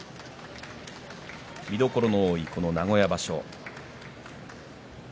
見どころの多い名古屋場所。